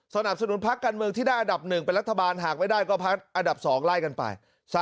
สนับสนุนพักการเมืองที่ได้อันดับ๑เป็นรัฐบาลหากไม่ได้ก็พักอันดับ๒ไล่กันไป